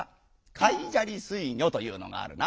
「海砂利水魚というのがあるな」。